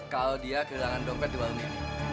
kalau dia kehilangan dompet di warung ini